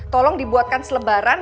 tolong dibuatkan selebaran